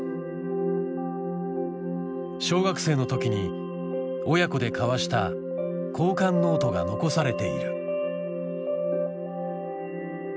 小学生の時に親子で交わした交換ノートが残されている。